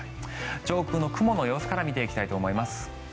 上空の雲の様子から見ていきたいと思います。